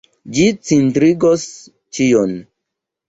Ĝi cindrigos ĉion.